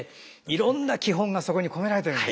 いろんな基本がそこに込められてるんですね。